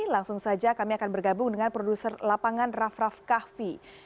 langsung saja kami akan bergabung dengan produser lapangan raff raff kahvi